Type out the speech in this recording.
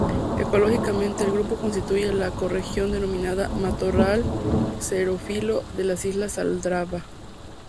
Ecológicamente, el grupo constituye la ecorregión denominada matorral xerófilo de las islas Aldabra.